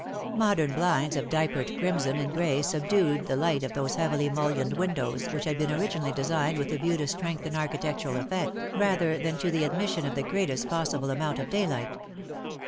Modern blinds of diapered crimson and grey subdued the light of those heavily mullioned windows which had been originally designed with a view to strength and architectural effect, rather than to the admis sion of the greatest possible amount of daylight.